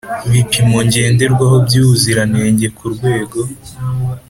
Bipimo ngenderwaho by ubuziranenge ku rwego